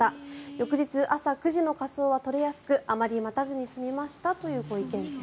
翌日朝９時の火葬は取れやすくあまり待たずに済みましたというご意見です。